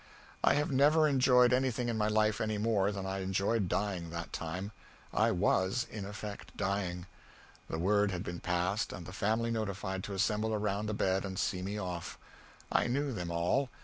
I have never enjoyed anything in my life any more than I enjoyed dying that time. I was, in effect, dying. The word had been passed and the family notified to assemble around the bed and see me off. I knew them all.